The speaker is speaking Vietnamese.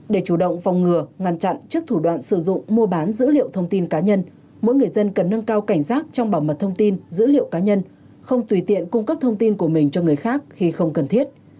để chủ động phòng ngừa ngăn chặn trước thủ đoạn sử dụng mua bán dữ liệu thông tin cá nhân mỗi người dân cần nâng cao cảnh giác trong bảo mật thông tin dữ liệu cá nhân không tùy tiện cung cấp thông tin của mình cho người khác khi không cần thiết